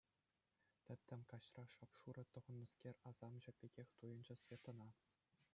Тӗттӗм каҫра шап-шурӑ тӑхӑннӑскер асамҫӑ пекех туйӑнчӗ Светӑна.